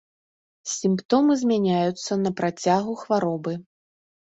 Сімптомы змяняюцца на працягу хваробы.